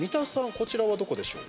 こちらはどこでしょう？